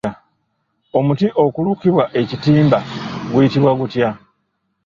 Omuti okulukirwa ekitimba guyitibwa gutya?